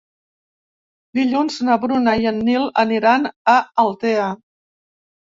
Dilluns na Bruna i en Nil aniran a Altea.